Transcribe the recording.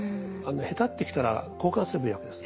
へたってきたら交換すればいいわけです。